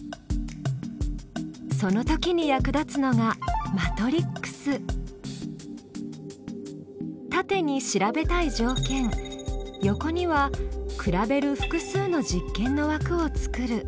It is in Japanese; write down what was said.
その時に役立つのが縦に調べたい条件横には比べる複数の実験のわくを作る。